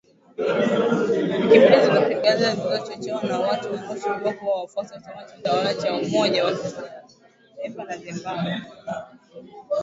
Wiki mbili zilizopita, ghasia zilizochochewa na watu wanaoshukiwa kuwa wafuasi wa chama tawala cha umoja wa kitaifa wa Zimbabwe.